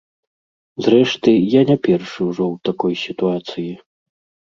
Зрэшты, я не першы ўжо ў такой сітуацыі.